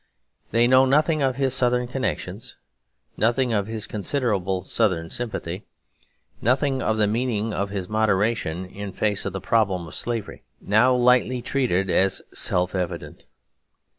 They know nothing of his Southern connections, nothing of his considerable Southern sympathy, nothing of the meaning of his moderation in face of the problem of slavery, now lightly treated as self evident.